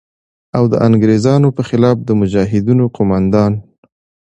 او د انگریزانو په خلاف د مجاهدینو قوماندان